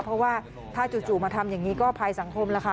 เพราะว่าถ้าจู่มาทำอย่างนี้ก็ภัยสังคมแล้วค่ะ